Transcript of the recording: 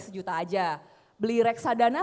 sejuta aja beli reksadana